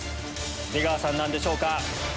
出川さんなんでしょうか？